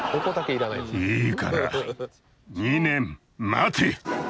いいから２年待て。